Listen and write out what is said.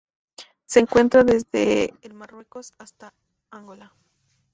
Se encuentra desde el Marruecos hasta Angola.